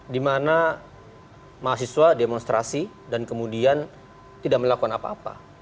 dimana mahasiswa demonstrasi dan kemudian tidak melakukan apa apa